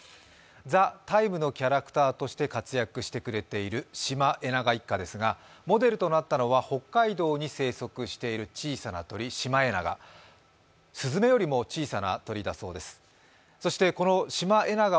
「ＴＨＥＴＩＭＥ，」のキャラクターとして活躍してくれているシマエナガ一家ですがモデルとなったのは北海道に生息している小さな鳥、シマエナガ。